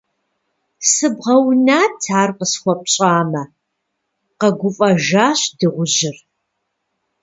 - Сыбгъэунат, ар къысхуэпщӏамэ, - къэгуфӏэжащ дыгъужьыр.